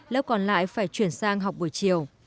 lớp còn lại phải chuyển sang học buổi chiều